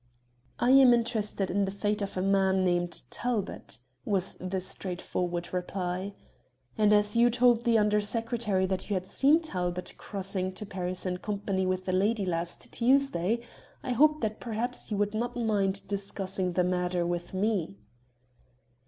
"I am interested in the fate of a man named Talbot," was the straightforward reply, "and as you told the Under Secretary that you had seen Talbot crossing to Paris in company with a lady last Tuesday, I hoped that perhaps you would not mind discussing the matter with me."